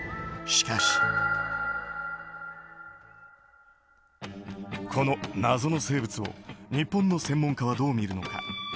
しかし、この謎の生物を日本の専門家はどう見るのか。